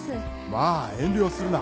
まぁ遠慮するな。